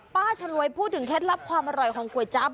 ฉลวยพูดถึงเคล็ดลับความอร่อยของก๋วยจั๊บ